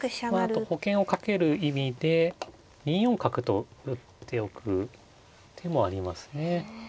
あと保険を掛ける意味で２四角と打っておく手もありますね。